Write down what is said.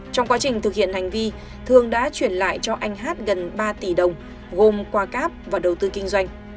trong quá trình thực hiện hành vi thương đã chuyển lại cho anh hát gần ba tỷ đồng gồm quà cáp và đầu tư kinh doanh